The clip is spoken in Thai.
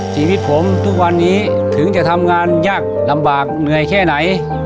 ชีวิตผมทุกวันนี้ถึงจะทำงานยากลำบากเหนื่อยแค่ไหน